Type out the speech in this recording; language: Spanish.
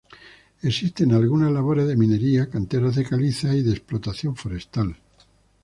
Existen algunas labores de minería, canteras de caliza y de explotación forestal.